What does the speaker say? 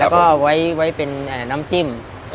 แล้วก็ไว้เป็นน้ำจิ้ม